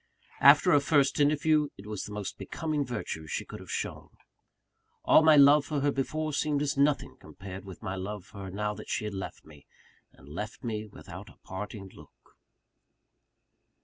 After a first interview, it was the most becoming virtue she could have shown. All my love for her before, seemed as nothing compared with my love for her now that she had left me, and left me without a parting look.